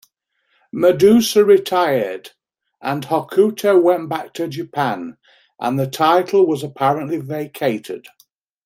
Madusa retired and Hokuto went back to Japan and the title was apparently vacated.